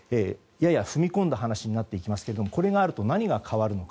やや踏み込んだ話になっていきますがこれがあると何が変わるのか。